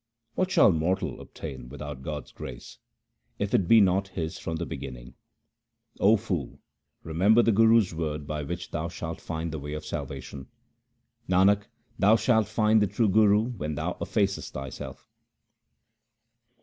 What shall mortal obtain without God's grace if it be not his from the beginning ? O fool, remember the Guru's word by which thou shalt find the way of salvation. Nanak, thou shalt find the true Guru when thou effacest thyself.